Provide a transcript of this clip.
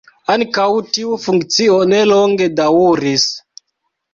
Ankaŭ tiu funkcio ne longe daŭris.